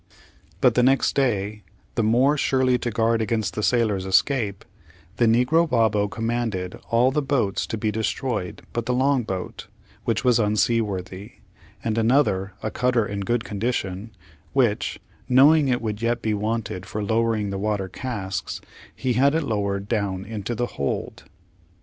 But the next day, the more surely to guard against the sailors' escape, the negro Babo commanded all the boats to be destroyed but the long boat, which was unseaworthy, and another, a cutter in good condition, which knowing it would yet be wanted for towing the water casks, he had it lowered down into the hold.